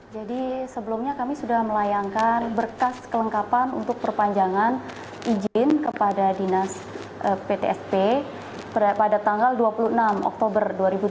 jadi sebelumnya kami sudah melayangkan berkas kelengkapan untuk perpanjangan izin kepada dinas ptsp pada tanggal dua puluh enam oktober dua ribu tujuh belas